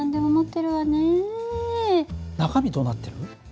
中身どうなってる？